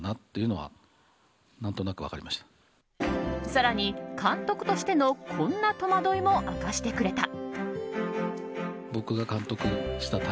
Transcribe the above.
更に、監督としてのこんな戸惑いも明かしてくれた。